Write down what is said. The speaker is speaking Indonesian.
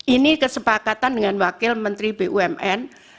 ini kesepakatan dengan wakil menteri bumn